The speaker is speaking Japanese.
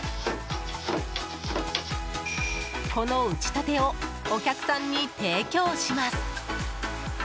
この打ちたてをお客さんに提供します。